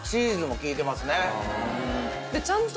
でちゃんと。